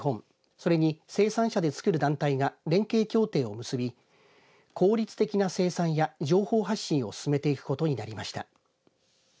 それに生産者で作る団体が連携協定を結び効率的な生産や情報発信を進めていくことになりました。